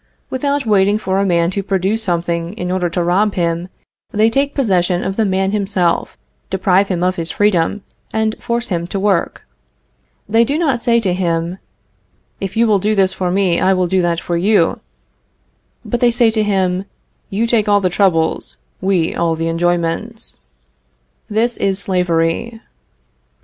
Without waiting for a man to produce something in order to rob him, they take possession of the man himself, deprive him of his freedom, and force him to work. They do not say to him, "If you will do this for me, I will do that for you," but they say to him, "You take all the troubles; we all the enjoyments." This is slavery.